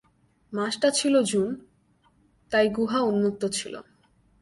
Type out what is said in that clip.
মাসটা ছিল জুন তাই গুহা উন্মুক্ত ছিল।